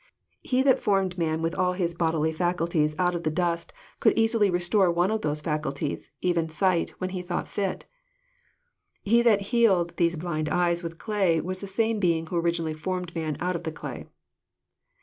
He that formed man with all his bodily faculties out of the dual JOHN, CHAP. nc. 145 eonld easily restore one of those faculties, even sight, when He thought fit. He that healed these blind eyes with clay was the same Being who originally formed man ont of the clay.